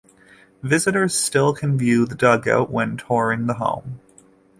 Visitors still can view the dugout when touring the home.